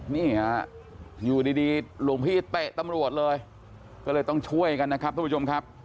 นี่ฮะอยู่ดีหลวงพี่เตะตำรวจเลยก็เลยต้องช่วยกันนะครับทุกผู้ชมครับ